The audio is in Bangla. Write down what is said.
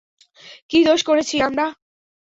কী দোষ করেছি আমরা?